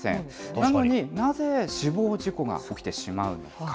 なのになぜ死亡事故が起きてしまうのか。